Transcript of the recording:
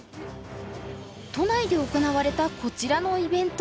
都内で行われたこちらのイベント。